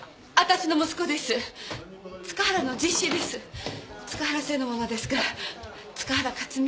塚原姓のままですから塚原克巳。